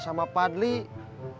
saya masih galau